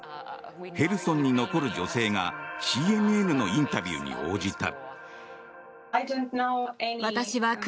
ヘルソンに残る女性がＣＮＮのインタビューに応じた。